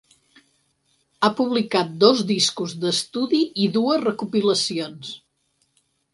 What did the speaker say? Ha publicat dos discos d'estudi i dues recopilacions.